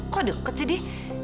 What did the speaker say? kok deket sih di